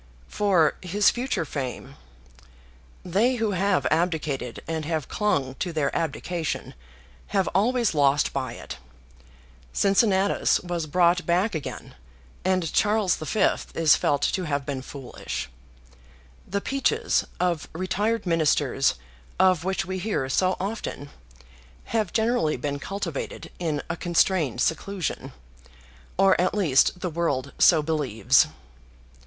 "For his future fame. They who have abdicated and have clung to their abdication have always lost by it. Cincinnatus was brought back again, and Charles V. is felt to have been foolish. The peaches of retired ministers of which we hear so often have generally been cultivated in a constrained seclusion; or at least the world so believes."